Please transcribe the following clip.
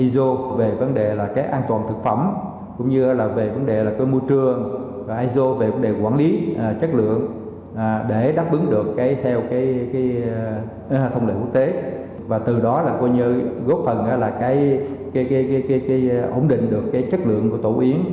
để đáp ứng được theo thông lệ quốc tế và từ đó góp phần ổn định được chất lượng của tổ yến